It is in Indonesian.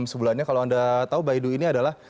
sebulannya kalau anda tahu baidu ini adalah